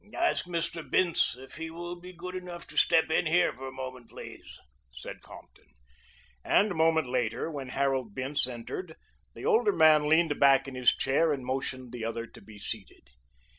"Ask Mr. Bince if he will be good enough to step in here a moment, please," said Compton; and a moment later, when Harold Bince entered, the older man leaned back in his chair and motioned the other to be seated.